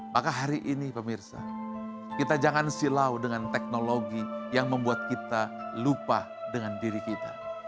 maka hari ini pemirsa kita jangan silau dengan teknologi yang membuat kita lupa dengan diri kita